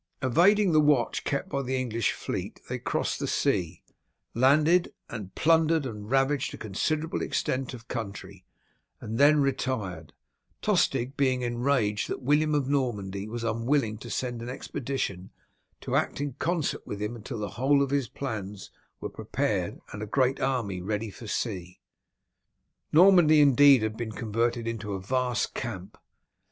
Evading the watch kept by the English fleet they crossed the sea, landed, and plundered and ravaged a considerable extent of country, and then retired, Tostig being enraged that William of Normandy was unwilling to send an expedition to act in concert with him until the whole of his plans were prepared and his great army ready for sea. Normandy indeed had been converted into a vast camp.